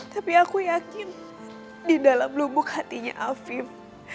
tapi aku yakin di dalam lubuk hatinya afif